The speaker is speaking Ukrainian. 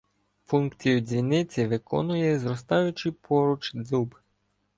Функцію дзвіниці виконує зростаючий поруч дуб.